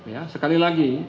ya sekali lagi